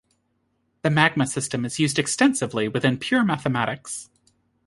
The Magma system is used extensively within pure mathematics.